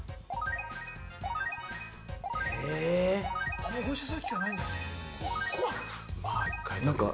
あんまりご一緒する機会ないんじゃないですか？